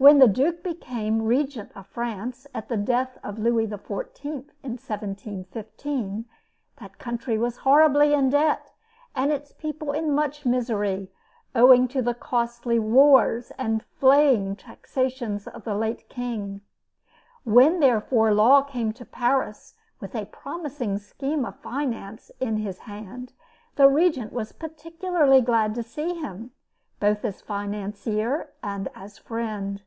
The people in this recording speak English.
When the Duke became Regent of France at the death of Louis XIV, in 1715, that country was horribly in debt, and its people in much misery, owing to the costly wars and flaying taxations of the late King. When, therefore, Law came to Paris with a promising scheme of finance in his hand, the Regent was particularly glad to see him, both as financier and as friend.